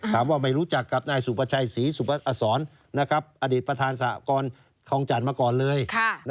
ถามว่าไม่รู้จักกับนายสุประชัยศรีสุประสรรอดิษฐ์ประธานสหกรครองจันทร์มาก่อนเลย